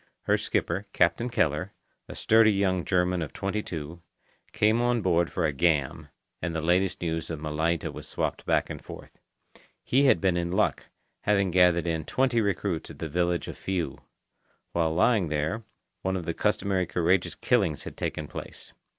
Her skipper, Captain Keller, a sturdy young German of twenty two, came on board for a "gam," and the latest news of Malaita was swapped back and forth. He had been in luck, having gathered in twenty recruits at the village of Fiu. While lying there, one of the customary courageous killings had taken place.